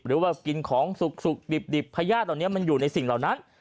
หรือว่ากินของสุกดิบพญาติเหล่านี้มันอยู่ในสิ่งเหล่านั้น